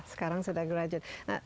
sekarang sudah graduate